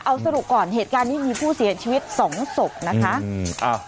เอาสรุปก่อนเหตุการณ์นี้มีผู้เสียชีวิตสองศพนะคะ